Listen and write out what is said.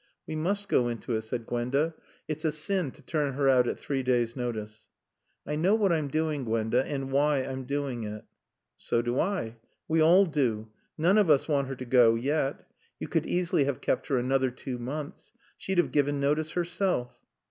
"We must go into it," said Gwenda. "It's a sin to turn her out at three days' notice." "I know what I'm doing, Gwenda, and why I'm doing it." "So do I. We all do. None of us want her to go yet. You could easily have kept her another two months. She'd have given notice herself."